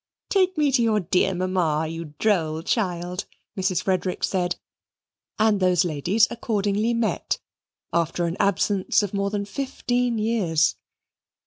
"Take me to your dear mamma, you droll child," Mrs. Frederick said, and those ladies accordingly met, after an absence of more than fifteen years.